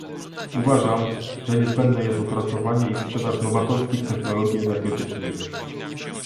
Uważam, że niezbędne jest opracowanie i sprzedaż nowatorskich technologii energetycznych